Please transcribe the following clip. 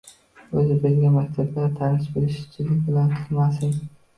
O‘zi bilgan maktablarga tanish-bilishchilik bilan kirmasin.